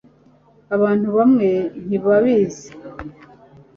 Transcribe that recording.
Abantu bamwe ntibabizi